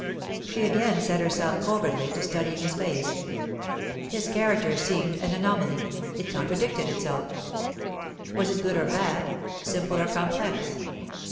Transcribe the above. She again set herself covertly to studying his face. His character seemed an anomaly; it contradicted itself. Was it good or bad, simple or complex?